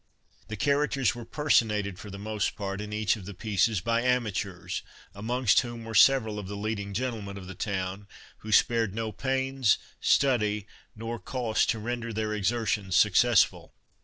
The characters were personated for the most part in each of the pieces by amateurs, amongst whom were several of the leading gentlemen of the town, who spared no pains, study, nor cost to render their exertions successful.